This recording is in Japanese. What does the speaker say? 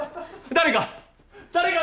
誰か！